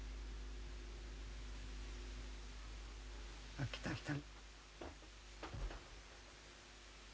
あっ来た来た。